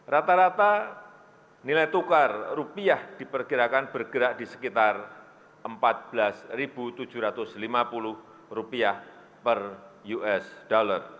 rata rata nilai tukar rupiah diperkirakan bergerak di sekitar rp empat belas tujuh ratus lima puluh per usd